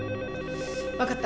わかった。